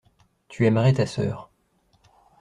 Tu aimerais ta sœur.